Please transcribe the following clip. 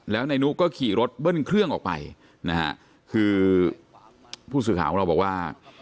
แล้วนายนุก็ขี่รถเบิ้ลเครื่องออกไปนะฮะคือผู้สื่อข่าวของเราบอกว่า